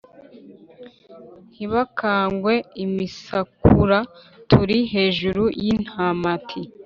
Ntibakangwe imisakura tuli hejuru y'intamati